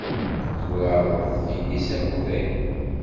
Turareḍ tinis iḍelli.